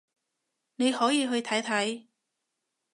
你可以去睇睇